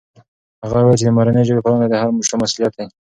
هغه وویل چې د مورنۍ ژبې پالنه د هر چا مسؤلیت دی.